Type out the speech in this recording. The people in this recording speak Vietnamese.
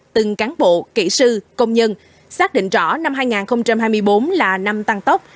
từng cán bộ kỹ sư công nhân xác định rõ năm hai nghìn hai mươi bốn là năm tăng tốc